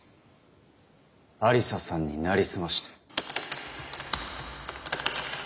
愛理沙さんに成り済まして。